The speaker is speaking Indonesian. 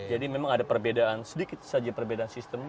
jadi memang ada perbedaan sedikit saja perbedaan sistem